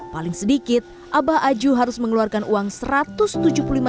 paling sedikit abah aju harus mengeluarkan uang rp satu ratus tujuh puluh lima